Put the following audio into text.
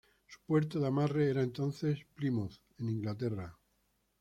Su puerto de amarre era entonces Plymouth en Inglaterra.